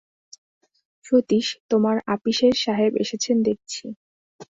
সতীশ, তোমার আপিসের সাহেব এসেছেন দেখছি।